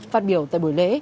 phát biểu tại buổi lễ